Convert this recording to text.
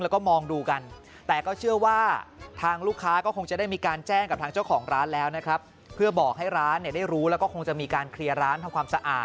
ก็อาจจะมีหนูเล็ดรอดเข้ามา